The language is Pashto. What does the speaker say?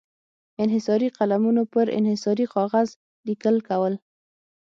انحصاري قلمونو پر انحصاري کاغذ لیکل کول.